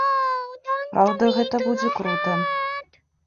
Праўда, гэта будзе крута.